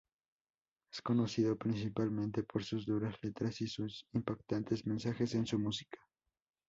Es conocido principalmente por sus duras letras y sus impactantes mensajes en su música.